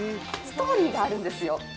ストーリーがあるんですよ。